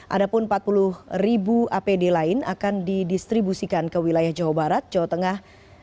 ada pun empat puluh ribu apd lain akan didistribusikan ke wilayah jawa barat jawa tengah